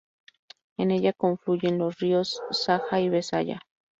En ella confluyen los ríos Saja y Besaya.